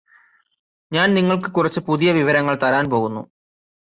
ഞാന് നിങ്ങൾക്ക് കുറച്ച് പുതിയ വിവരങ്ങള് തരാൻ പോകുന്നു